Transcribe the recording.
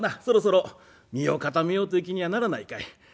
そろそろ身を固めようという気にはならないかい？」。